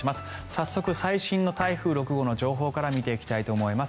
早速、最新の台風６号の情報から見ていきたいと思います。